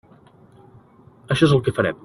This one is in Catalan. Això és el que farem.